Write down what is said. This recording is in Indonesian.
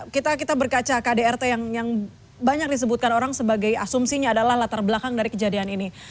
kita berkaca kdrt yang banyak disebutkan orang sebagai asumsinya adalah latar belakang dari kejadian ini